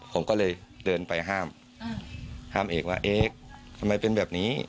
ผมก็เลยเดินไปห้ามห้ามเอกว่าเอกทำไมเป็นแบบนี้